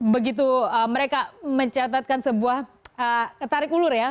begitu mereka mencatatkan sebuah tarik ulur ya